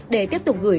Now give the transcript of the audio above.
để tiếp tục gửi